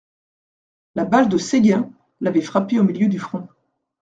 La balle de Séguin l'avait frappé au milieu du front.